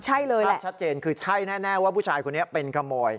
แน่ทั้งแสดงคือถูกแน่ว่าผู้ชายคนนี้เป็นขมัญ